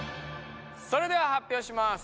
それでは発表します。